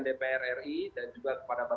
dpr ri dan juga kepada